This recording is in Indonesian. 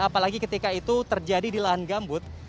apalagi ketika itu terjadi di lahan gambut